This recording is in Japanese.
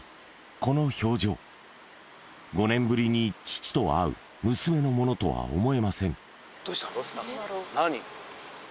この表情５年ぶりに父と会う娘のものとは思えません